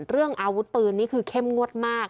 เรื่องอาวุธปืนนี่คือเข้มงวดมาก